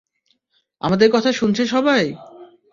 আমাদের কথা শুনেছে সবাই?